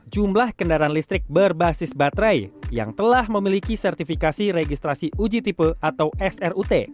jumlah kendaraan listrik berbasis baterai yang telah memiliki sertifikasi registrasi uji tipe atau srut